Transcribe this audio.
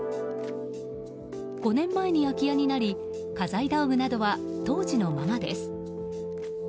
５年前に空き家になり家財道具などは当時のままです。